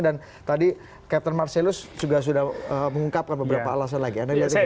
dan tadi captain marselus juga sudah mengungkapkan beberapa alasan lagi